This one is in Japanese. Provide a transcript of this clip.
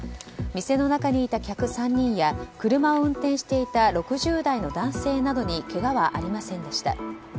店の中にいた客３人や車を運転していた６０代の男性などにけがはありませんでした。